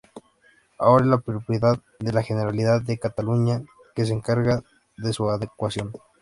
Ahora es propiedad de la Generalidad de Cataluña que se encarga de su adecuación.